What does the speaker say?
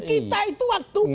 kita itu waktu pindah